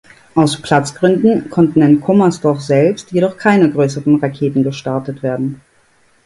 Aus Platzgründen konnten in Kummersdorf selbst jedoch keine größeren Raketen gestartet werden.